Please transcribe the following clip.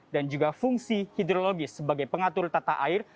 dan juga fungsi hidrologis sebagai pengatur tata air